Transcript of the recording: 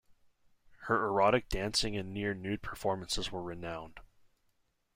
Her erotic dancing and near-nude performances were renowned.